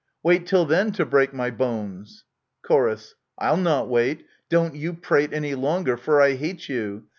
Wait till then to break my bones ! Chor. I'll not wait : don't you prate Any longer ; for I hate you